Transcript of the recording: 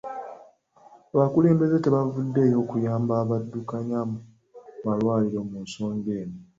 Abakulembeze tebavuddeeyo kuyamba baddukanya malwaliro mu nsonga eno